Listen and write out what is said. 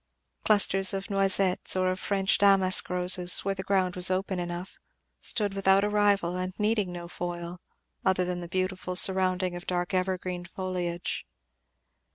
Clusters of Noisettes, or of French or Damask roses, where the ground was open enough, stood without a rival and needing no foil, other than the beautiful surrounding of dark evergreen foliage.